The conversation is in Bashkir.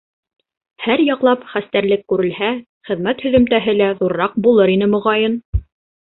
Һәр яҡлап хәстәрлек күрелһә, хеҙмәт һөҙөмтәһе лә ҙурыраҡ булыр ине, моғайын.